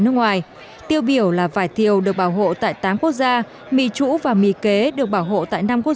nước ngoài tiêu biểu là vải thiều được bảo hộ tại tám quốc gia mì chủ và mì kế được bảo hộ tại năm quốc